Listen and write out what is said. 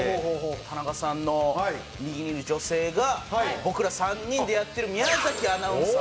田中さんの右にいる女性が僕ら３人でやってる宮アナウンサー。